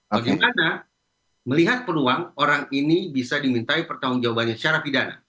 bagaimana melihat peluang orang ini bisa dimintai pertanggung jawabannya secara pidana